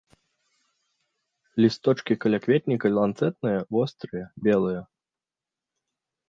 Лісточкі калякветніка ланцэтныя, вострыя, белыя.